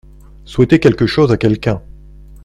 Souhaiter quelque chose à quelqu’un.